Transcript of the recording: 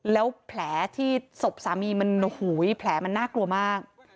แล้วแผลที่ศพสามีมันโอ้โหแผลมันน่ากลัวมาก